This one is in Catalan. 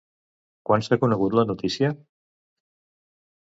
Quan s'ha conegut la notícia?